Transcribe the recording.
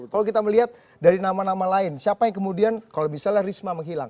kalau kita melihat dari nama nama lain siapa yang kemudian kalau misalnya risma menghilang